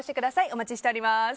お待ちしております。